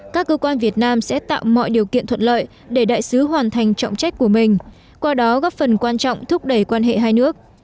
các cơ quan việt nam sẽ tạo mọi điều kiện thuận lợi để đại sứ hoàn thành trọng trách của mình qua đó góp phần quan trọng thúc đẩy quan hệ hai nước